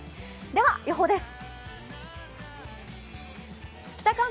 では予報です。